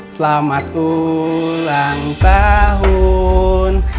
selamat ulang tahun